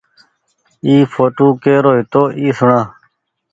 اي ڦوٽو ڪرو هيتو اي سوڻآ۔